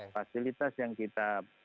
fasilitas yang kita